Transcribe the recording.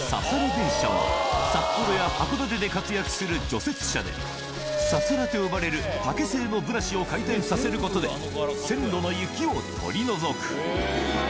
電車は、札幌や函館で活躍する除雪車で、ササラと呼ばれる竹製のブラシを回転させることで、線路の雪を取り除く。